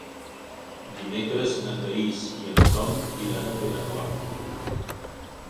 Dimecres na Thaís i en Tom iran a Perafort.